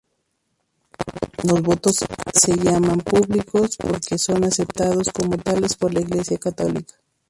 Los votos se llaman públicos porque son aceptados como tales por la Iglesia católica.